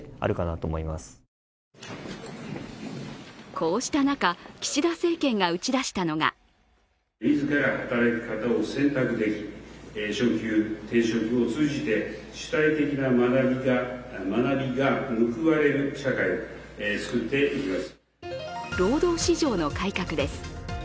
こうした中、岸田政権が打ち出したのが労働市場の改革です。